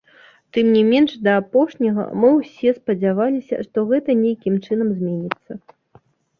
Тым не менш да апошняга мы ўсе спадзяваліся, што гэта нейкім чынам зменіцца.